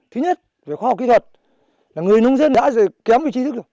thứ nhất về khoa học kỹ thuật là người nông dân đã kém về tri thức